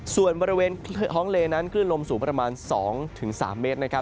ส่วนบริเวณท้องเลนั้นคลื่นลมสูงประมาณ๒๓เมตรนะครับ